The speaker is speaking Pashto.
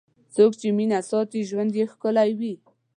څوک چې مینه ساتي، ژوند یې ښکلی وي.